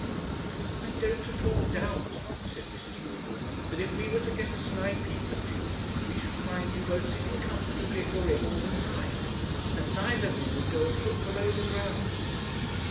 'I don't at all doubt,' said Mrs. Woodward, 'that if we were to get a sly peep at you, we should find you both sitting comfortably at your inn all the time, and that neither of you will go a foot below the ground.'